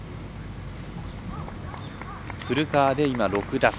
古川で今、６打差。